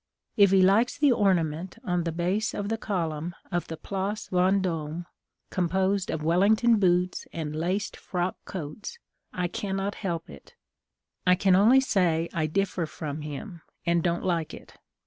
If he likes the ornament on the base of the column of the Place Vendôme, composed of Wellington boots and laced frock coats, I cannot help it; I can only say I differ from him, and don't like it.